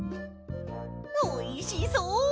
おいしそう！